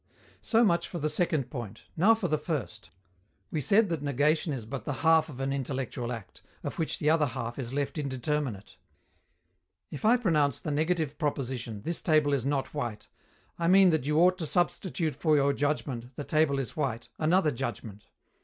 So much for the second point; now for the first. We said that negation is but the half of an intellectual act, of which the other half is left indeterminate. If I pronounce the negative proposition, "This table is not white," I mean that you ought to substitute for your judgment, "The table is white," another judgment.